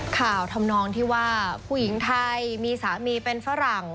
ทำนองที่ว่าผู้หญิงไทยมีสามีเป็นฝรั่ง